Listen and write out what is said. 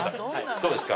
どうですか？